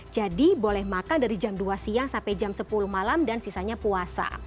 boleh makan dari jam dua siang sampai jam sepuluh malam dan sisanya puasa